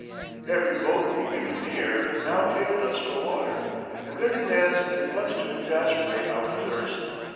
'Every boat we drew near now hailed us for water, and their demands did much to exasperate our thirst.